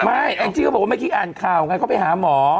ไม่แอ้งที่ก็บอกว่าไม่คิดอ่านข่าวงั้นเข้าไปหาหมอ